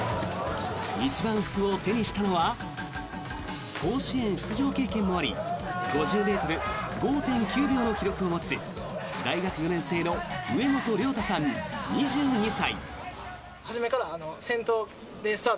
一番福を手にしたのは甲子園出場経験もあり５０ｍ５．９秒の記録を持つ大学４年生の植本亮太さん２２歳。